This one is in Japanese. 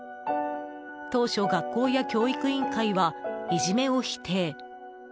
当初、学校や教育委員会はいじめを否定。